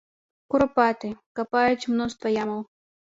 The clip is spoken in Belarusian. Курапаты, капаюць мноства ямаў.